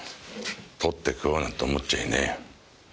とって食おうなんて思っちゃいねえよ。